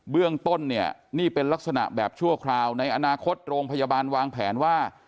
เรื่องต้นเนี่ยนี่เป็นลักษณะแบบชั่วคราวในอนาคตโรงพยาบาลวางแผนว่า